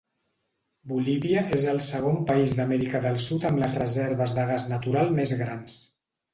Bolívia és el segon país d'Amèrica del Sud amb les reserves de gas natural més grans.